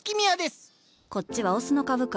こっちはオスの株か。